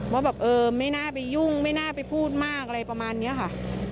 ว่าแบบเออไม่น่าไปยุ่งไม่น่าไปพูดมากอะไรประมาณนี้ค่ะ